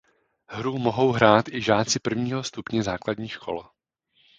Hru mohou hrát i žáci prvního stupně základních škol.